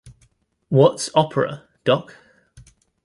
What's Opera, Doc?